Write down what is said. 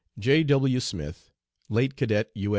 "J. W. SMITH, "Late Cadet U.